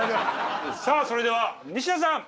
さあそれでは西田さん！